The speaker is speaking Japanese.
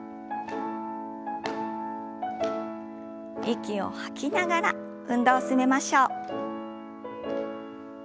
息を吐きながら運動を進めましょう。